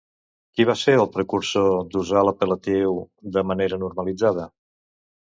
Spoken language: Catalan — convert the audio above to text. Qui va ser el precursor d'usar l'apel·latiu de manera normalitzada?